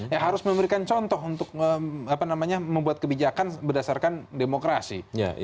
ya harus memberikan contoh untuk membuat kebijakan berdasarkan demokrasi